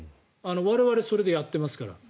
我々はそれでやってますから。